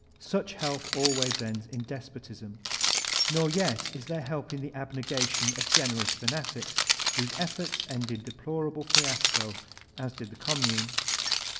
Such help always ends in despotism. Nor yet is there help in the abnq[a tion of generous fanatics whose efforts end in deplorable fiasco, as did the Commune.